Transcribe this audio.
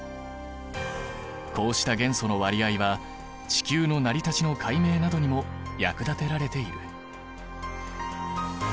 こうした元素の割合は地球の成り立ちの解明などにも役立てられている。